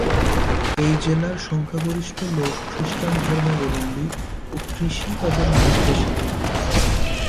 এই জেলার সংখ্যাগরিষ্ঠ লোক খ্রীষ্টান ধর্মাবলম্বী ও কৃষি তাঁদের মূল পেশা।